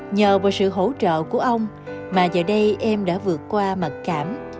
nhờ bởi sự hỗ trợ của ông mà giờ đây em đã vượt qua mặt cảm